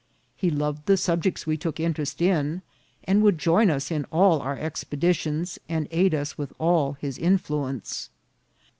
He loved the subjects we took interest in, and would join us in all our expeditions, and aid us with all his influence.